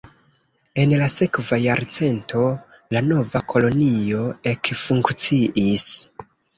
En la sekva jarcento la nova kolonio ekfunkciis.